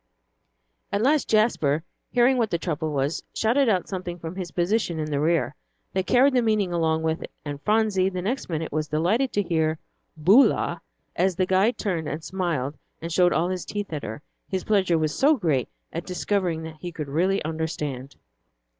At last Jasper, hearing what the trouble was, shouted out something from his position in the rear, that carried the meaning along with it, and Phronsie the next minute was delighted to hear "Boolah," as the guide turned and smiled and showed all his teeth at her, his pleasure was so great at discovering that he could really understand.